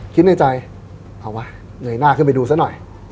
คิดในใจเอาวะเงยหน้าขึ้นไปดูซะหน่อย